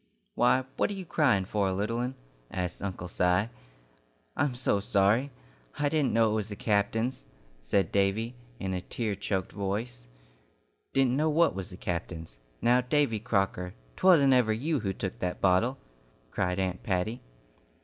"Why, what are you crying for, little 'un?" asked Uncle Si. "I'm so sorry. I didn't know it was the captain's," said Davy, in a tear choked voice. "Didn't know what was the captain's? Now, Davy Crocker, 'twasn't ever you who took that bottle?" cried Aunt Patty.